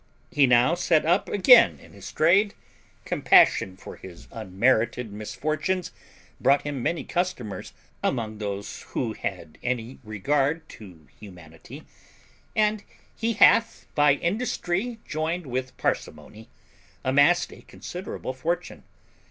He now set up again in his trade: compassion for his unmerited misfortunes brought him many customers among those who had any regard to humanity; and he hath, by industry joined with parsimony, amassed a considerable fortune.